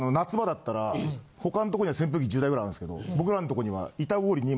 他んとこには扇風機１０台ぐらいあるんですけど僕らんとこには。